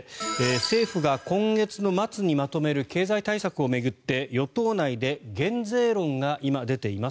政府が今月の末にまとめる経済対策を巡って与党内で減税論が今出ています。